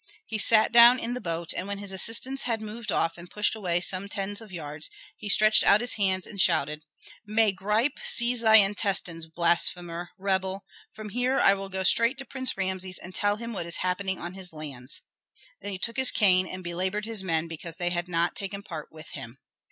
He sat down in the boat, and when his assistants had moved off and pushed away some tens of yards, he stretched out his hand and shouted, "May gripe seize thy intestines, blasphemer, rebel! From here I will go straight to Prince Rameses and tell him what is happening on his lands." Then he took his cane and belabored his men because they had not taken part with him.